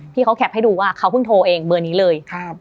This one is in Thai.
พี่เขาแคปให้ดูว่าเขาเพิ่งโทรเองเบอร์นี้เลย